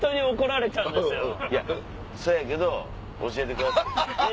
そやけど教えてくださいよ。